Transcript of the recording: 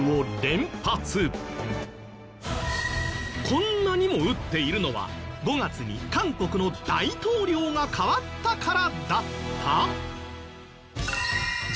こんなにも撃っているのは５月に韓国の大統領が代わったからだった？